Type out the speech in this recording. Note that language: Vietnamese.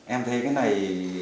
em thấy cái này